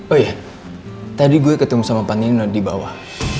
oh iya tadi gue ketemu sama panglino di bawah